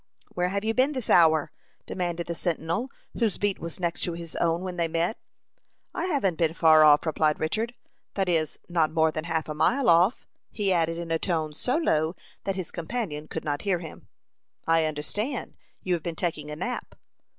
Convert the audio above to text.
"Where have you been this hour?" demanded the sentinel, whose beat was next to his own, when they met. "I haven't been far off," replied Richard; "that is, not more than half a mile off," he added, in a tone so low that his companion could not hear him. "I understand. You have been taking a nap."